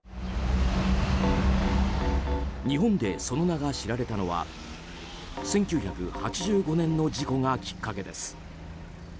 日本でその名が知られたのは１９８５年の事故がきっかけです。